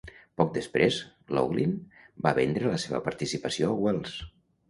Poc després, Laughlin va vendre la seva participació a Wells.